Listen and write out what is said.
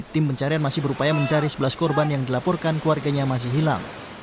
tim pencarian masih berupaya mencari sebelas korban yang dilaporkan keluarganya masih hilang